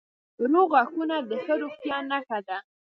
روغ غاښونه د ښه روغتیا نښه ده.